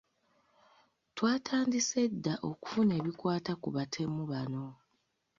Twatandise dda okufuna ebikwata ku batemu bano.